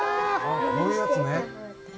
こういうやつね。